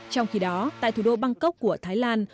trong khi đó tại thủ đô bangkok của thái lan